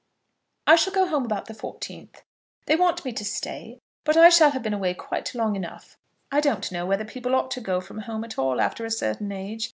I shall go home about the 14th. They want me to stay, but I shall have been away quite long enough. I don't know whether people ought to go from home at all after a certain age.